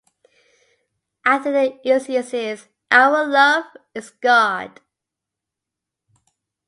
I think the easiest is, "Our Love is God."